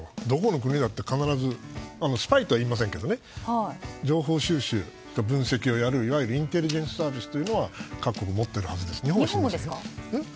どこの国だって必ず、スパイとは言いませんけど情報収集分析をやる、いわゆるインテリジェンスサービスというのは各国持っているはずです。